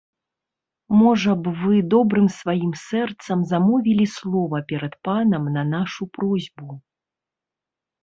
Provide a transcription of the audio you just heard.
Можа б вы добрым сваім сэрцам замовілі слова перад панам на нашу просьбу.